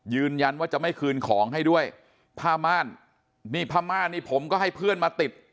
ยืนยันว่าจะไม่คืนของให้ด้วยผ้าม่านนี่ผ้าม่านนี่ผมก็ให้เพื่อนมาติด